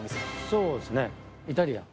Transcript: そうですねイタリアン。